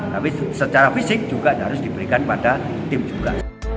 tapi secara fisik juga harus diberikan pada tim juga